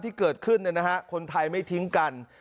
ที่เกิดขึ้นเนี่ยนะฮะคนไทยไม่ทิ้งกัน